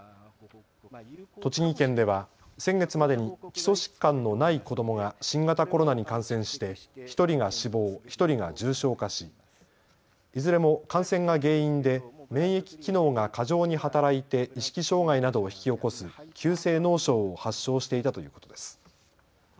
栃木県では先月までに基礎疾患のない子どもが新型コロナに感染して１人が死亡、１人が重症化しいずれも感染が原因で免疫機能が過剰に働いて意識障害などを引き起こす急性脳症を発症していたということです。